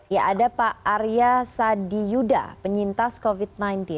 ya ada pak arya sadi yuda penyintas covid sembilan belas